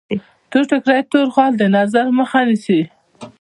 تور ټیکری یا تور خال د نظر مخه نیسي.